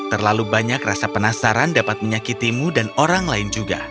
terlalu banyak rasa penasaran dapat menyakitimu dan orang lain juga